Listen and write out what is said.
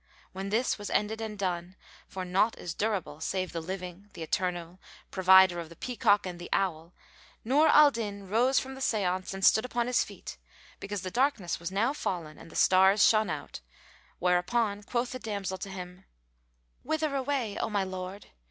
When this was ended and done, for naught is durable save the Living, the Eternal, Provider of the peacock and the owl,[FN#438] Nur al Din rose from the séance and stood upon his feet, because the darkness was now fallen and the stars shone out; whereupon quoth the damsel to him, "Whither away, O my lord?"